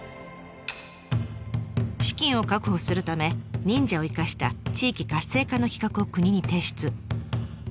資金を確保するため忍者を生かした地域活性化の企画を国に提出。